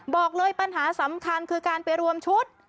บอกเลยปัญหาสำคัญคือการไปรวมชุด